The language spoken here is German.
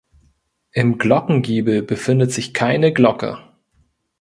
Im Glockengiebel befindet sich keine Glocke.